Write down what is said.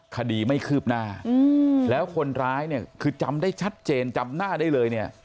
คดีไม่คืบหน้าแล้วคนร้ายเนี่ยคือจำได้ชัดเจนจำหน้าได้เลยเนี่ย